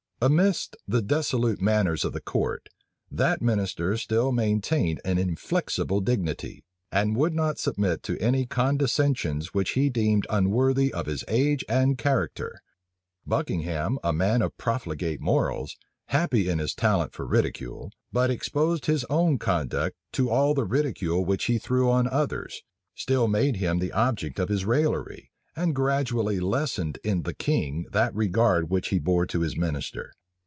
Amidst the dissolute manners of the court, that minister still maintained an inflexible dignity, and would not submit to any condescensions which he deemed unworthy of his age and character. Buckingham, a man of profligate morals, happy in his talent for ridicule, but exposed in his own conduct to all the ridicule which he threw on others, still made him the object of his raillery, and gradually lessened in the king that regard which he bore to his minister.